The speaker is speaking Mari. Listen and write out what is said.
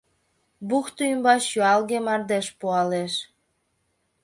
Бухто ӱмбач юалге мардеж пуалеш.